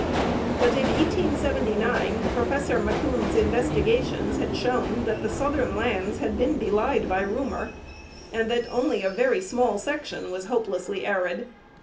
But in 1879 Professor Macoun's investigations had shown that the southern lands had been belied by rumour, and that only a very small section was hopelessly arid.